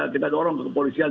kita dorong ke polisian